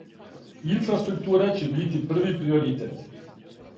Инфраструктура ће бити први приоритет.